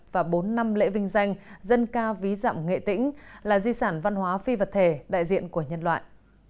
và bốn năm lễ vinh danh dân ca ví dặm nghệ tĩnh là di sản văn hóa phi vật thể đại diện của nhân loại